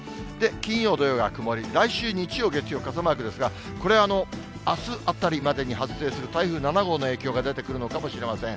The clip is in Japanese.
金曜、土曜が曇り、来週日曜、月曜、傘マークですが、これ、あすあたりまでに発生する台風７号の影響が出てくるのかもしれません。